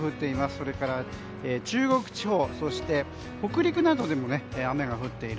それから中国地方北陸などでも雨が降っている。